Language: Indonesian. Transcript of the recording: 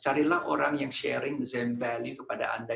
carilah orang yang berbagi kualitas yang sama kepada anda